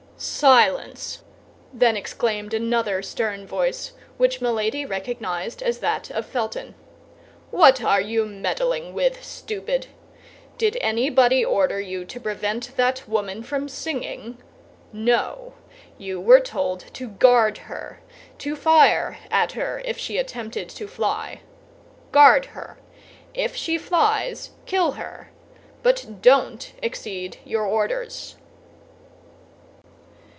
"Silence!" then exclaimed another stern voice which Milady recognized as that of Felton. "What are you meddling with, stupid? Did anybody order you to prevent that woman from singing? No. You were told to guard her—to fire at her if she attempted to fly. Guard her! If she flies, kill her; but don't exceed your orders."